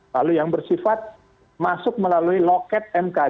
lalu yang bersifat masuk melalui loket mkd